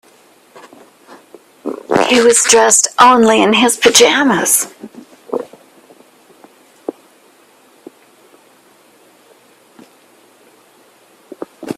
He was dressed only in his pajamas.